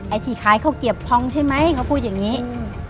ไอ้ที่ขายข้าวเกียบพองใช่ไหมเขาพูดอย่างงี้อืม